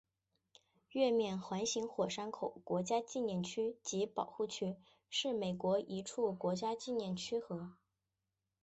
月面环形火山口国家纪念区及保护区是美国的一处国家纪念区和。